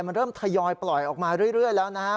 มันเริ่มทยอยปล่อยออกมาเรื่อยแล้วนะฮะ